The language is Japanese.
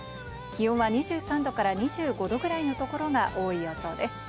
気温は２３度から２５度ぐらいのところが多い予想です。